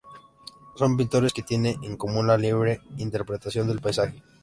Son pintores que tienen en común la libre interpretación del paisaje.